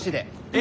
え？